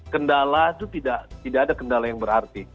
kendala itu tidak ada kendala yang berarti